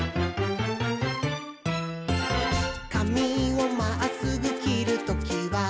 「かみをまっすぐきるときは」